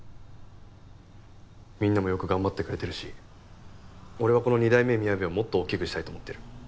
みんなもよく頑張ってくれてるし俺はこの二代目みやべをもっと大きくしたいと思ってる。